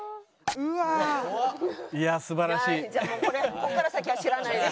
ここから先は知らないです。